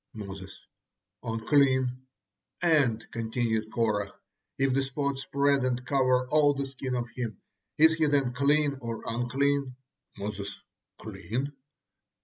Moses: "Unclean." "And," continued Korah, "if the spot spread and cover all the skin of him, is he then clean or unclean?" Moses: "Clean."